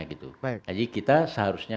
gitu jadi kita seharusnya